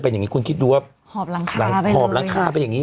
อย่างนี้คุณคิดดูว่าหอบหลังคาหอบหลังคาเป็นอย่างนี้